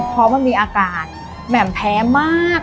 เพราะมันมีอากาศแหม่มแพ้มาก